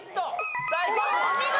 お見事！